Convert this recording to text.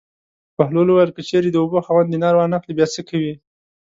بهلول وویل: که چېرې د اوبو خاوند دینار وانه خلي بیا څه کوې.